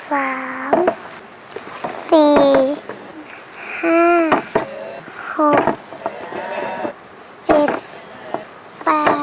รับทราบ